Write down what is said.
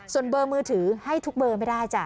ส่วนเบอร์มือถือให้ทุกเบอร์ไม่ได้จ้ะ